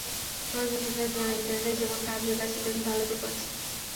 কয়েকজন শিক্ষার্থী জানায়, ইন্টারনেটে যেমন খারাপ দিক আছে, তেমনি ভালো দিকও আছে।